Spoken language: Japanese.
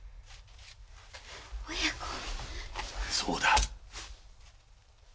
そうだ。